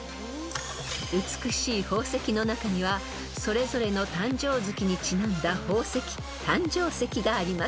［美しい宝石の中にはそれぞれの誕生月にちなんだ宝石誕生石があります］